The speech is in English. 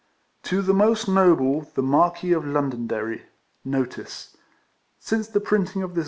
TO THE MOST NOBLE THE MARQUESS OF LONDONDERRY. NOTICE. Since the printiug of thit.